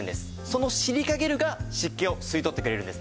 そのシリカゲルが湿気を吸い取ってくれるんですね。